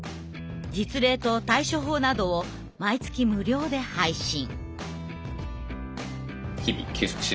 実例と対処法などを毎月無料で配信。